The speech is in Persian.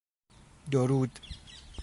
دورود